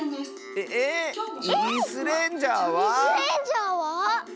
えっ⁉「イスレンジャー」は？